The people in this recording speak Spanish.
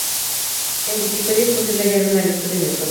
En Wikipedia, es posible hallar una lista de mesones.